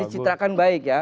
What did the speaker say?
dicitrakan baik ya